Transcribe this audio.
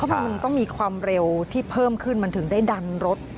มันต้องมีความเร็วที่เพิ่มขึ้นมันถึงได้ดันรถ